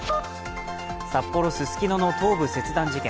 札幌・ススキノの頭部切断事件。